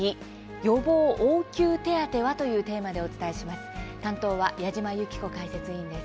予防・応急手当は？」というテーマでお伝えします。